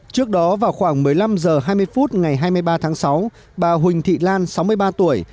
trước đó vào khoảng một mươi năm h hai mươi phút ngày hai mươi ba tháng sáu bà huỳnh thị lan sáu mươi ba tuổi